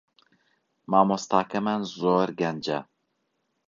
مامۆستاکەمان زۆر گەنجە